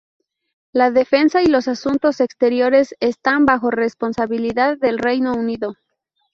La defensa y los asuntos exteriores están bajo responsabilidad del Reino Unido.